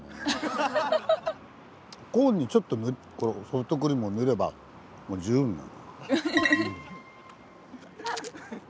コーンにちょっとこのソフトクリームを塗ればもう十分なんだ。